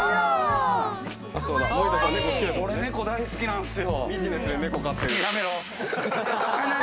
俺、ねこ大好きなんですよ。